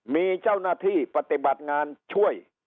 มีเจ้าหน้าที่ปฏิบัติงานช่วย